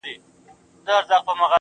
اوس مي د سپين قلم زهره چاودلې,